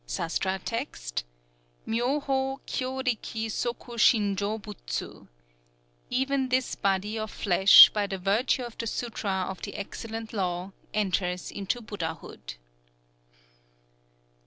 (Sastra text.) MYŌ HŌ KYŌ RIKI SOKU SHIN JŌ BUTSU! Even this body [of flesh] by the virtue of the Sutra of the Excellent Law, enters into Buddhahood.